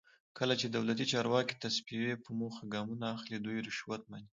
کله چې دولتي چارواکي د تصفیې په موخه ګامونه اخلي دوی رشوت مني.